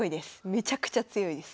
めちゃくちゃ強いです。